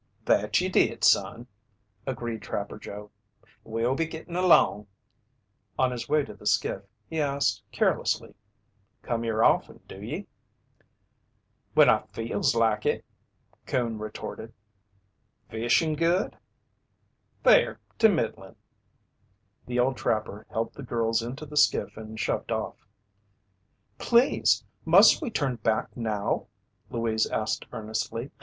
"That ye did, son," agreed Trapper Joe. "We'll be gittin' along." On his way to the skiff, he asked carelessly: "Come here offen, do ye?" "When I feels like it," Coon retorted. "Fishin' good?" "Fair to middlin'." The old trapper helped the girls into the skiff and shoved off. "Please, must we turn back now?" Louise asked earnestly.